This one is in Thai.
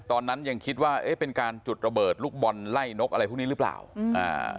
ตอนนั้นยังคิดว่าเอ๊ะเป็นการจุดระเบิดลูกบอลไล่นกอะไรพวกนี้หรือเปล่าอืมอ่า